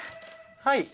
はい。